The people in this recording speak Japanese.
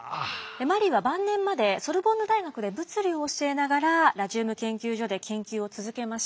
マリーは晩年までソルボンヌ大学で物理を教えながらラジウム研究所で研究を続けました。